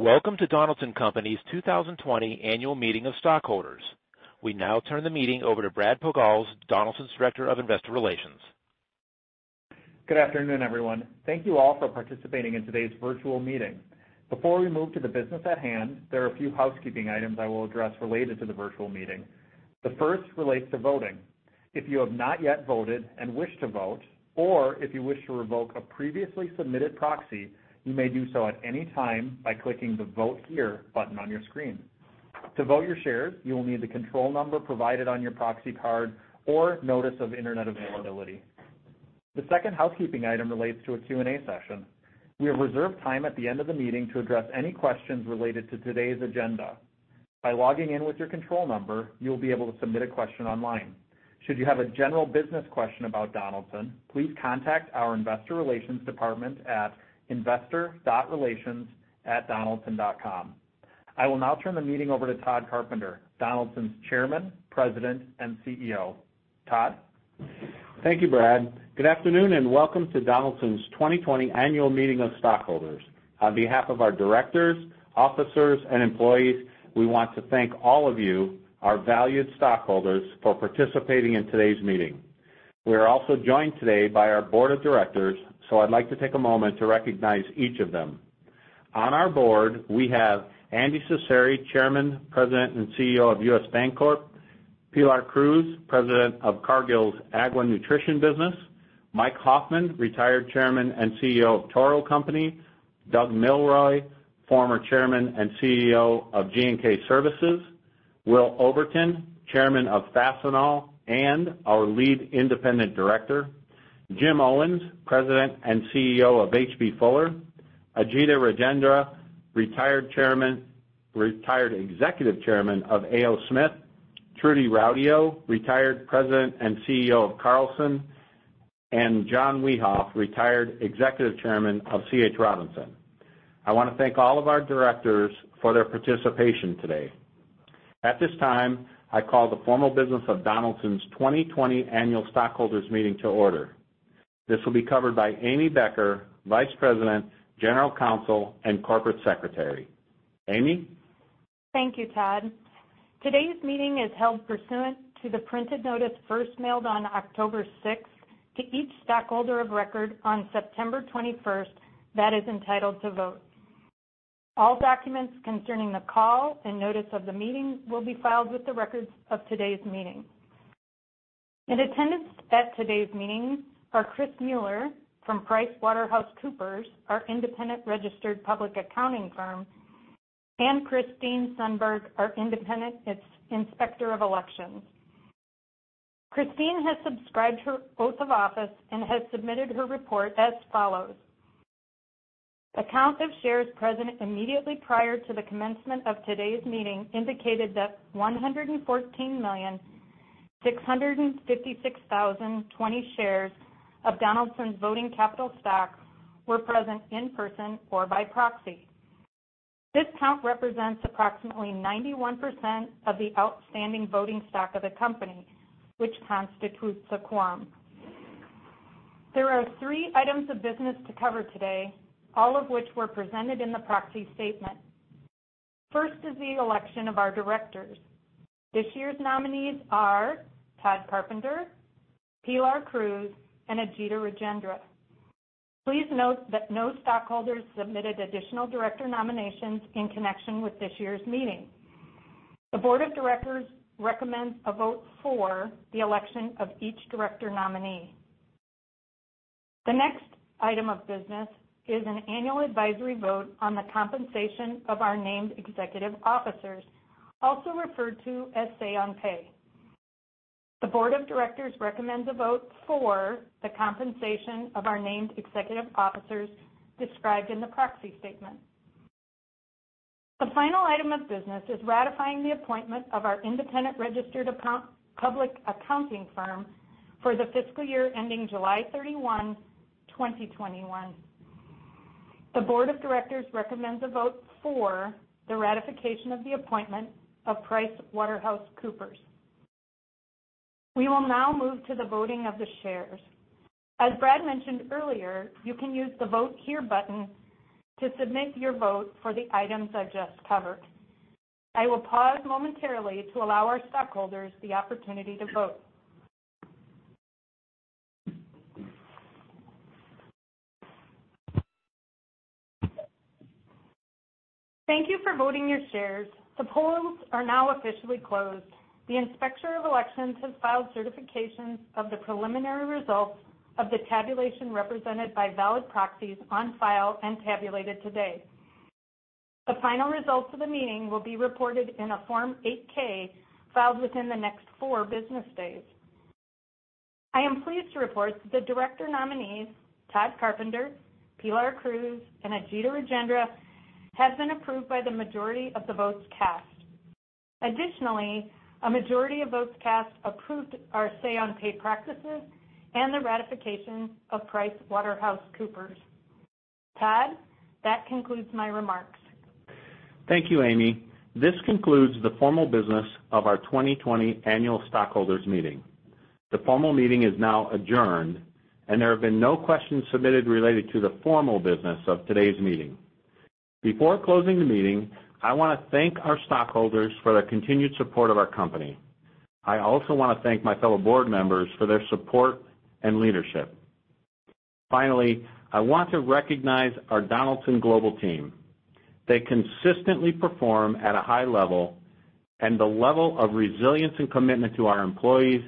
Welcome to Donaldson Company's 2020 annual meeting of stockholders. We now turn the meeting over to Brad Pogalz, Donaldson's Director of Investor Relations. Good afternoon, everyone. Thank you all for participating in today's virtual meeting. Before we move to the business at hand, there are a few housekeeping items I will address related to the virtual meeting. The first relates to voting. If you have not yet voted and wish to vote, or if you wish to revoke a previously submitted proxy, you may do so at any time by clicking the vote here button on your screen. To vote your shares, you will need the control number provided on your proxy card or notice of internet availability. The second housekeeping item relates to a Q&A session. We have reserved time at the end of the meeting to address any questions related to today's agenda. By logging in with your control number, you will be able to submit a question online. Should you have a general business question about Donaldson, please contact our investor.relations@donaldson.com. I will now turn the meeting over to Tod Carpenter, Donaldson's Chairman, President, and CEO. Tod? Thank you, Brad Pogalz. Good afternoon, and welcome to Donaldson's 2020 Annual Meeting of Stockholders. On behalf of our directors, officers, and employees, we want to thank all of you, our valued stockholders, for participating in today's meeting. We are also joined today by our Board of Directors, so I'd like to take a moment to recognize each of them. On our Board, we have Andy Cecere, Chairman, President, and CEO of U.S. Bancorp, Pilar Cruz, President of Cargill's Aqua Nutrition business, Mike Hoffman, Retired Chairman and CEO of The Toro Company, Doug Milroy, Former Chairman and CEO of G&K Services, Will Oberton, Chairman of Fastenal and our Lead Independent Director, Jim Owens, President and CEO of H.B. Fuller, Ajita Rajendra, Retired Executive Chairman of A.O. Smith, Trudy Rautio, Retired President and CEO of Carlson, and John Wiehoff, Retired Executive Chairman of C.H. Robinson. I want to thank all of our directors for their participation today. At this time, I call the formal business of Donaldson's 2020 annual stockholders meeting to order. This will be covered by Amy Becker, Vice President, General Counsel, and Corporate Secretary. Amy? Thank you, Tod. Today's meeting is held pursuant to the printed notice first mailed on 6 October to each stockholder of record on 21 September that is entitled to vote. All documents concerning the call and notice of the meeting will be filed with the records of today's meeting. In attendance at today's meeting are Chris Mueller from PricewaterhouseCoopers, our independent registered public accounting firm, and Christine Sundberg, our independent inspector of elections. Christine has subscribed her oath of office and has submitted her report as follows. A count of shares present immediately prior to the commencement of today's meeting indicated that 114,656,020 shares of Donaldson's voting capital stock were present in person or by proxy. This count represents approximately 91% of the outstanding voting stock of the company, which constitutes a quorum. There are three items of business to cover today, all of which were presented in the proxy statement. First is the election of our directors. This year's nominees are Tod Carpenter, Pilar Cruz, and Ajita Rajendra. Please note that no stockholders submitted additional director nominations in connection with this year's meeting. The Board of Directors recommends a vote for the election of each director nominee. The next item of business is an annual advisory vote on the compensation of our named executive officers, also referred to as say on pay. The Board of Directors recommends a vote for the compensation of our named executive officers described in the proxy statement. The final item of business is ratifying the appointment of our independent registered public accounting firm for the fiscal year ending 31 July 2021. The Board of Directors recommends a vote for the ratification of the appointment of PricewaterhouseCoopers. We will now move to the voting of the shares. As Brad mentioned earlier, you can use the vote here button to submit your vote for the items I just covered. I will pause momentarily to allow our stockholders the opportunity to vote. Thank you for voting your shares. The polls are now officially closed. The Inspector of Elections has filed certifications of the preliminary results of the tabulation represented by valid proxies on file and tabulated today. The final results of the meeting will be reported in a Form 8-K filed within the next four business days. I am pleased to report that the director nominees, Tod Carpenter, Pilar Cruz, and Ajita Rajendra, have been approved by the majority of the votes cast. Additionally, a majority of votes cast approved our say on pay practices and the ratification of PricewaterhouseCoopers. Tod, that concludes my remarks. Thank you, Amy. This concludes the formal business of our 2020 annual stockholders meeting. The formal meeting is now adjourned. There have been no questions submitted related to the formal business of today's meeting. Before closing the meeting, I want to thank our stockholders for their continued support of our company. I also want to thank my fellow board members for their support and leadership. Finally, I want to recognize our Donaldson global team. They consistently perform at a high level. The level of resilience and commitment to our employees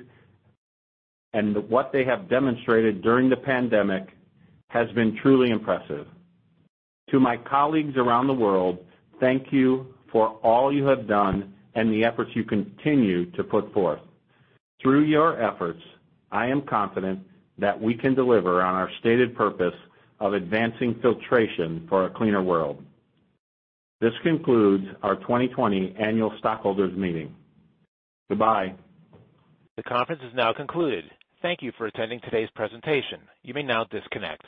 and what they have demonstrated during the pandemic has been truly impressive. To my colleagues around the world, thank you for all you have done and the efforts you continue to put forth. Through your efforts, I am confident that we can deliver on our stated purpose of advancing filtration for a cleaner world. This concludes our 2020 annual stockholders meeting. Goodbye. The conference is now concluded. Thank you for attending today's presentation. You may now disconnect.